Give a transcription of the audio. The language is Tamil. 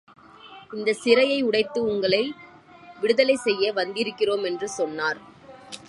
இந்தச் சிறையை உடைத்து உங்களை விடுதலை செய்ய வந்திருக்கிறோம் என்று சொன்னார்.